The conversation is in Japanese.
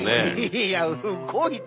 いや動いて！